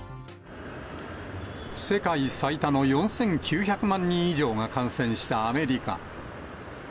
世界最多の４９００万人以上が感染したアメリカ。